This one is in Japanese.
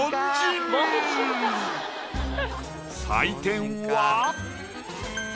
採点は。